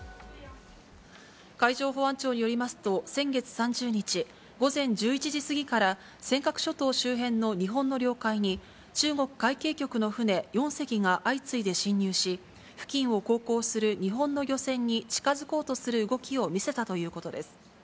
海上保安庁によりますと、先月３０日午前１１時過ぎから、尖閣諸島周辺の日本の領海に、中国海警局の船４隻が相次いで侵入し、付近を航行する日本の漁船に近づこうとする動きを見せたということです。